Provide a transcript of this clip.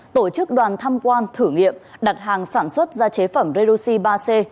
tổ chức đoàn tham quan thử nghiệm đặt hàng sản xuất ra chế phẩm redoxi ba c